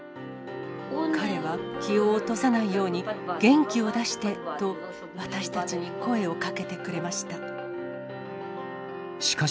彼は気を落とさないように元気を出してと、私たちに声をかけてくれました。